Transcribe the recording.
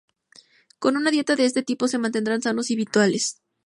Con una dieta de este tipo se mantendrán sanos y vitales.